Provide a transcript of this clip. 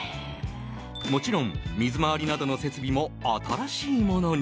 もちろん水回りなどの設備も新しいものに。